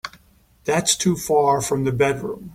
That's too far from the bedroom.